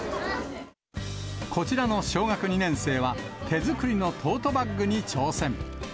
こちらの小学２年生は、手作りのトートバッグに挑戦。